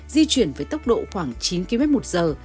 di chuyển với tốc độ khoảng chín km một giờ